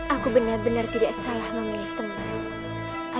aku benar benar tidak salah memilih teman